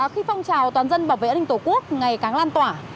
khi phong trào toàn dân bảo vệ an ninh tổ quốc ngày càng lan tỏa